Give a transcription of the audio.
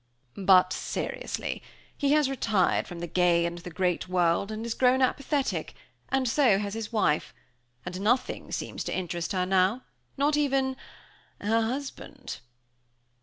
But, seriously, he has retired from the gay and the great world, and has grown apathetic; and so has his wife; and nothing seems to interest her now, not even her husband!"